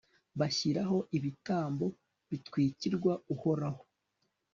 bashyiraho ibitambo bitwikirwa uhoraho